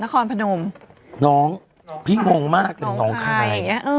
นครพนมน้องพี่งงมากน้องคายเนี่ย